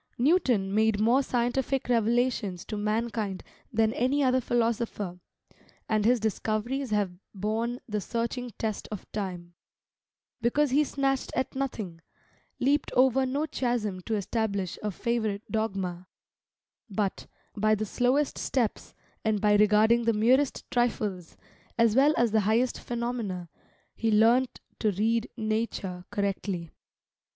Newton made more scientific revelations to mankind than any other philosopher; and his discoveries have borne the searching test of time, because he snatched at nothing, leaped over no chasm to establish a favourite dogma; but, by the slowest steps, and by regarding the merest trifles, as well as the highest phenomena, he learnt to read Nature correctly.